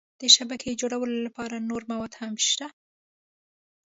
د شبکې جوړولو لپاره نور مواد هم شته.